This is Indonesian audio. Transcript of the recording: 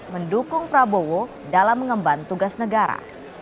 mendukung prabowo dalam mengemban tugas negara